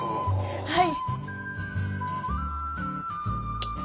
はい。